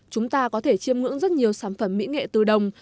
chúng ta có thể chiêm ngưỡng rất nhiều sản phẩm mỹ nghệ từ đồng